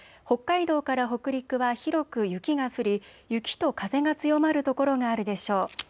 北海道から北陸は広く雪が降り雪と風が強まる所があるでしょう。